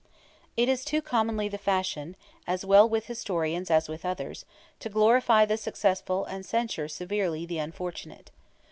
It is too commonly the fashion, as well with historians as with others, to glorify the successful and censure severely the unfortunate.